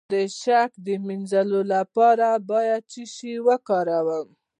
د شک د مینځلو لپاره باید څه شی وکاروم؟